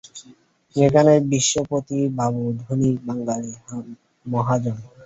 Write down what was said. সেখানে বিশ্বপতিবাবু ধনী বাঙালি মহাজন।